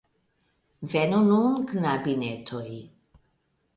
Venu nun, knabinetoj!